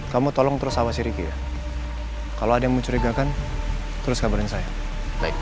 kamu tolong terus sama si riki ya kalau ada yang mencurigakan terus kabarin saya baik